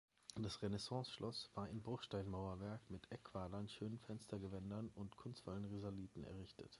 Das Renaissanceschloss war in Bruchsteinmauerwerk mit Eckquadern, schönen Fenstergewänden und kunstvollen Risaliten errichtet.